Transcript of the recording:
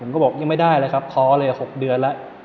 เขาบอกยังไม่ได้เลยครับท้อเลย๖เดือนแล้ว